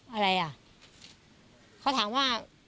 อะไรอ่ะเขาถามว่า